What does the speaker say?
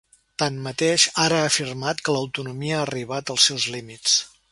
Tanmateix, ara ha afirmat que ‘l’autonomia ha arribat als seus límits’.